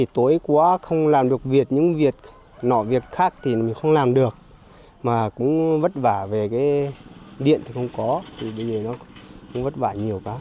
tối quá không làm được việc những việc nọ việc khác thì mình không làm được mà cũng vất vả về cái điện thì không có thì nó cũng vất vả nhiều